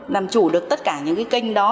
làm chủ được tất cả những cái kênh đó